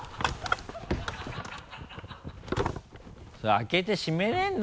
開けて閉めれるの？